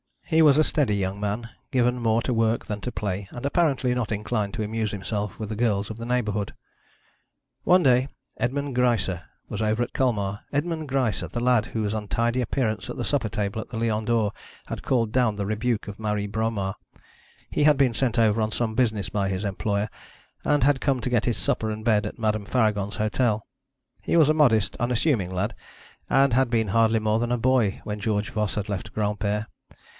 He was a steady young man, given more to work than to play, and apparently not inclined to amuse himself with the girls of the neighbourhood. One day Edmond Greisse was over at Colmar Edmond Greisse, the lad whose untidy appearance at the supper table at the Lion d'Or had called down the rebuke of Marie Bromar. He had been sent over on some business by his employer, and had come to get his supper and bed at Madame Faragon's hotel. He was a modest, unassuming lad, and had been hardly more than a boy when George Voss had left Granpere.